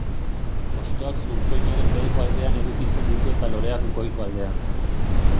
Hostoak zurtoinaren beheko aldean edukitzen ditu eta loreak goiko aldean.